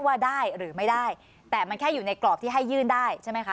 ว่าได้หรือไม่ได้แต่มันแค่อยู่ในกรอบที่ให้ยื่นได้ใช่ไหมคะ